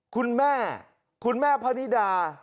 คุณแม่พระนิดา